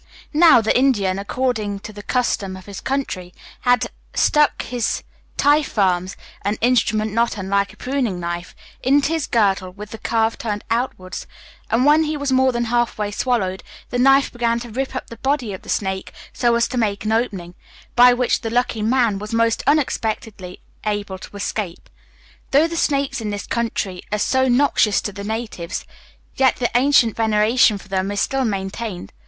Now, the Indian, according to the custom of his country, had stuck his teifermes (an instrument not unlike a pruning knife), into his girdle with the curve turned outwards; and, when he was more than half swallowed, the knife began to rip up the body of the snake so as to make an opening, by which the lucky man was most unexpectedly able to escape. Though the snakes in this country are so noxious to the natives, yet the ancient veneration for them is still maintained.